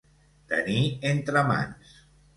Tenir entre mans.